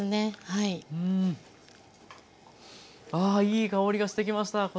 ああいい香りがしてきました。